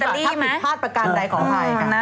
ถ้าผิดพลาดประกันอะไรของไทย